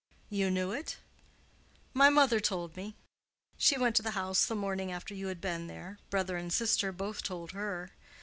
"You knew it?" "My mother told me. She went to the house the morning after you had been there—brother and sister both told her.